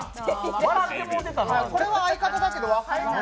これは相方だけど分からない。